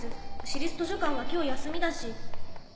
市立図書館は今日休みだし。